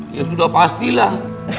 ya sudah pastilah